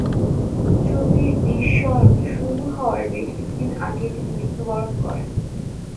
ছবির দৃশ্যায়ন শুরু হওয়ার কিছুদিন আগে তিনি মৃত্যুবরণ করেন।